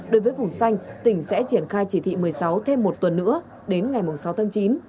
đối với vùng xanh tỉnh sẽ triển khai chỉ thị một mươi sáu thêm một tuần nữa đến ngày sáu tháng chín